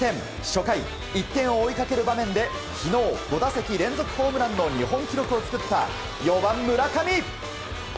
初回、１点を追いかける場面で昨日５打席連続ホームランの日本記録を作った４番、村上！